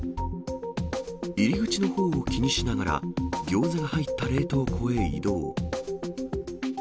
入り口のほうを気にしながら、ギョーザが入った冷凍庫へ移動。